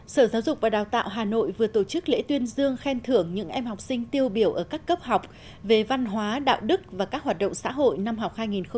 sở giáo dục và đào tạo hà nội vừa tổ chức lễ tuyên dương khen thưởng những em học sinh tiêu biểu ở các cấp học về văn hóa đạo đức và các hoạt động xã hội năm học hai nghìn hai mươi hai nghìn hai mươi